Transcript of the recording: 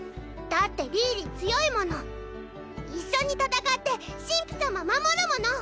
だってリーリ強いもの一緒に戦って神父様守るもの！